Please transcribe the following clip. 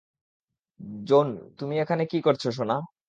June, তুমি এখানে কী করছ, সোনা?